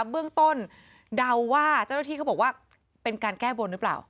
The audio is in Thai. เบื้องต้นเดาว่าเจ้าหน้าที่เขาบอกว่าเป็นการแก้บนหรือเปล่า